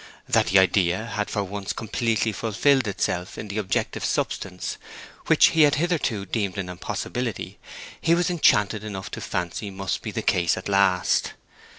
That the Idea had for once completely fulfilled itself in the objective substance—which he had hitherto deemed an impossibility—he was enchanted enough to fancy must be the case at last.